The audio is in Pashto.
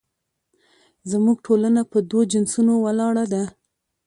زموږ ټولنه په دوو جنسونو ولاړه ده